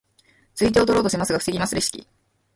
釣り手を取ろうとしますが防ぎますレシキ。